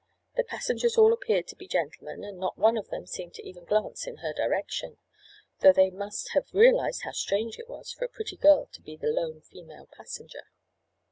The passengers all appeared to be gentlemen and not one of them seemed to even glance in her direction, though they must have realized how strange it was for a pretty girl to be the lone female passenger.